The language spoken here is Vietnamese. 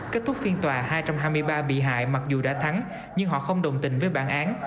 kết thúc phiên tòa hai trăm hai mươi ba bị hại mặc dù đã thắng nhưng họ không đồng tình với bản án